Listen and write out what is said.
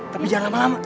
tapi jangan lama lama